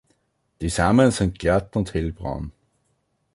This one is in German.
Die Samen sind glatt und hellbraun.